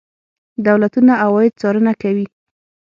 دولتونه عواید څارنه کوي.